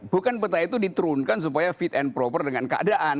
bukan peta itu diturunkan supaya fit and proper dengan keadaan